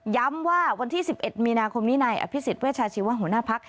ว่าวันที่๑๑มีนาคมนี้นายอภิษฎเวชาชีวะหัวหน้าพัก